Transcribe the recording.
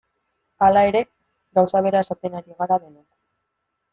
Hala ere, gauza bera esaten ari gara denok.